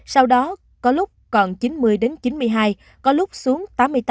sau đó có lúc còn chín mươi chín mươi hai có lúc xuống tám mươi tám tám mươi chín